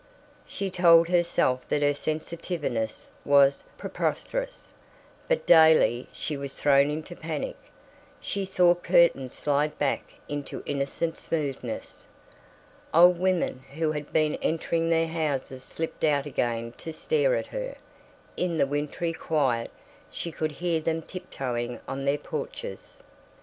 She told herself that her sensitiveness was preposterous, but daily she was thrown into panic. She saw curtains slide back into innocent smoothness. Old women who had been entering their houses slipped out again to stare at her in the wintry quiet she could hear them tiptoeing on their porches.